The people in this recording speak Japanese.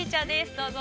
どうぞ。